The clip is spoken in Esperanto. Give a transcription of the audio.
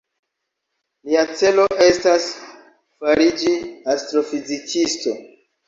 Lia celo estas fariĝi astrofizikisto.